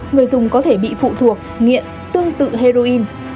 người dùng có thể bị phụ thuộc nghiện tương tự heroin